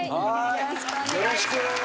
よろしく！